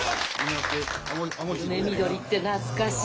梅緑って懐かしい。